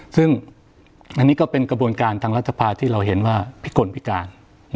ซึ่งอันนี้ก็เป็นกระบวนการทางรัฐภาที่เราเห็นว่าพิกลพิการ